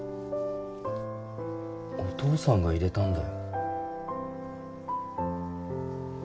お父さんが入れたんだよ。